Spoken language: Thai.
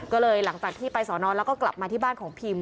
ก็เลยหลังจากที่ไปสอนอนแล้วก็กลับมาที่บ้านของพิม